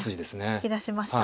突き出しました。